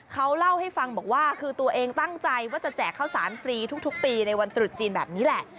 เขาเล่าให้ฟังบอกว่าคือตัวเองตั้งใจว่าจะแจกข้าวสารฟรีทุกปีในวันตรุษจีนแบบนี้แหละ